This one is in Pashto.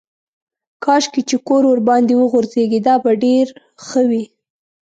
کاشکې چې کور ورباندې وغورځېږي دا به ډېره ښه وي.